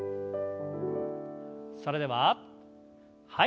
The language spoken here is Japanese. それでははい。